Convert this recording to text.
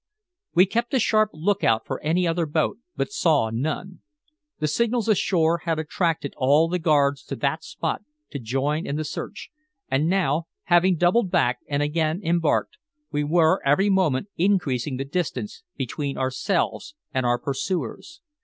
We kept a sharp look out for any other boat, but saw none. The signals ashore had attracted all the guards to that spot to join in the search, and now, having doubled back and again embarked, we were every moment increasing the distance between ourselves and our pursuers.